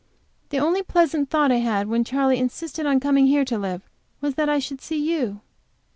"The only pleasant thought I had when Charley insisted on coming here to live was, that I should see you."